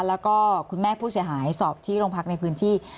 แล้วก็คุณแม่ผู้เสียหายสอบที่โรงพักในพื้นที่